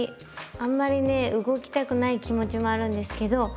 あんまりね動きたくない気持ちもあるんですけど。